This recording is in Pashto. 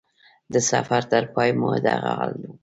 د سفر تر پای مو دغه حال و.